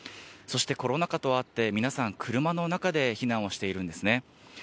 そしてコロナ禍とあって皆さん車の中で避難をしているんですね。